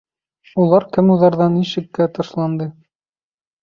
Улар кем уҙарҙан ишеккә ташланды.